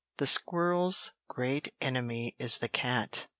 The squirrel's great enemy is the cat.